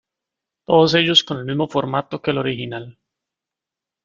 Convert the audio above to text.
Todos ellos con el mismo formato que el original.